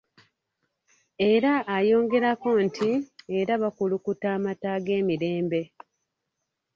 Era ayongerako nti, "era bukulukuta amata ag'emirembe".